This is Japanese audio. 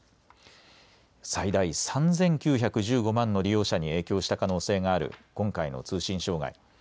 最大３９１５万の利用者に影響した可能性がある今回の通信障害。